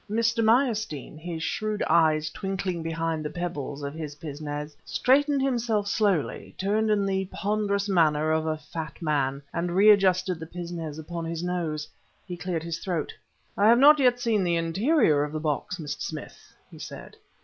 Mr. Meyerstein, his shrewd eyes twinkling behind the pebbles of his pince nez, straightened himself slowly, turned in the ponderous manner of a fat man, and readjusted the pince nez upon his nose. He cleared his throat. "I have not yet seen the interior of the box, Mr. Smith," he said.